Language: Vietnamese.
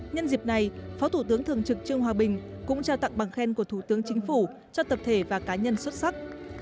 nhân dịp này phó thủ tướng thường trực trương hòa bình cũng trao tặng bằng khen của thủ tướng chính phủ cho tập thể và cá nhân xuất sắc